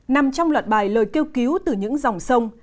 nằm trong loạt bài lời kêu cứu từ những dòng sông